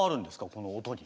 この音に。